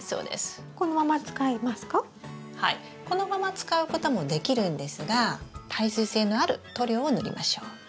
このまま使うこともできるんですが耐水性のある塗料を塗りましょう。